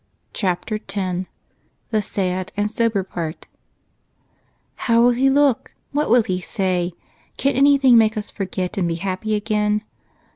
Chapter 10 THE SAD AND SOBER PART "How will he look? What will he say? Can anything make us forget and be happy again?"